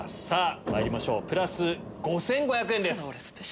さぁまいりましょうプラス５５００円です。